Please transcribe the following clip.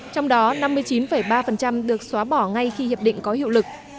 trong đó năm mươi chín ba được xóa bỏ ngay khi hiệp định có hiệu lực